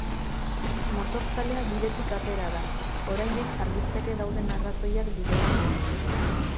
Motorzalea bidetik atera da, oraindik argitzeke dauden arrazoiak direla medio.